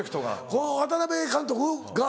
この渡辺監督が。